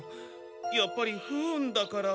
やっぱり不運だから？